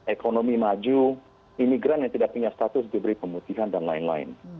ekonomi maju imigran yang tidak punya status diberi pemutihan dan lain lain